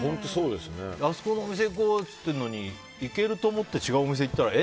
あそこのお店行こうって言ってたのに、行けると思って違うお店行ったらえ？